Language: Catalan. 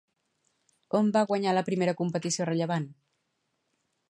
On va guanyar la primera competició rellevant?